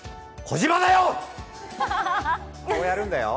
こうやるんだよ。